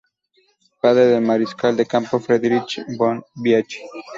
Padre del mariscal de campo Friedrich von Bianchi.